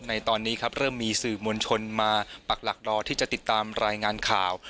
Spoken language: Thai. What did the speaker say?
ในตอนนี้ครับเริ่มมีสื่อมวลชนมาปักหลักรอที่จะติดตามรายงานข่าว